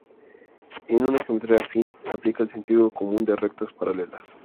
En un geometría afín, aplica el sentido común de rectas paralelas.